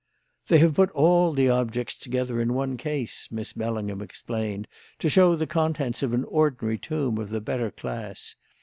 "They have put all the objects together in one case," Miss Bellingham explained, "to show the contents of an ordinary tomb of the better class.